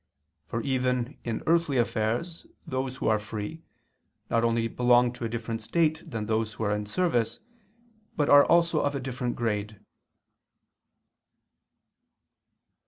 For even in earthly affairs those who are free, not only belong to a different state from those who are in service, but are also of a different grade.